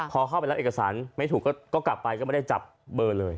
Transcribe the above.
พอเข้าไปรับเอกสารไม่ถูกก็กลับไปก็ไม่ได้จับเบอร์เลย